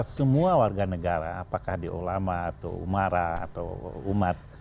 semua warga negara apakah di ulama atau umara atau umat